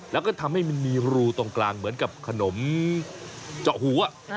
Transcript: แล้วก็ทำให้มันมีรูตรงกลางเหมือนกับขนมเจาะหัว